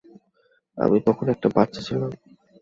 আমি তখন একটা বাচ্চা ছিলাম।